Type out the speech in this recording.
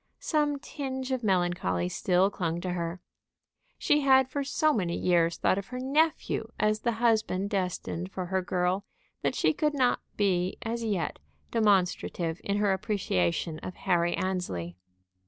Some tinge of melancholy still clung to her. She had for so many years thought of her nephew as the husband destined for her girl, that she could not be as yet demonstrative in her appreciation of Harry Annesley.